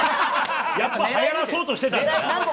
やっぱね、はやらそうとしてたんだ。